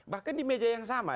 bahkan di meja yang sama